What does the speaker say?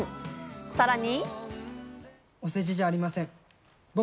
さらに。